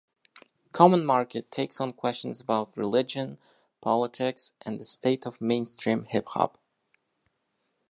Common Market takes on questions about religion, politics and the state of mainstream hip-hop.